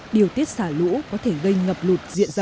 điều tiết xả lũ có thể gây ngập lũ